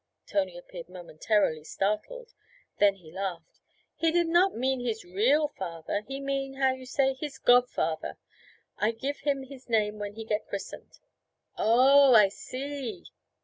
Tony appeared momentarily startled; then he laughed. 'He did not mean his real father; he mean how you say his godfather. I give to him his name when he get christened.' 'Oh, I see!'